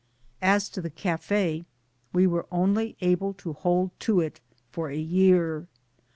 As to the Cafe, we were only able to hold to it for a year.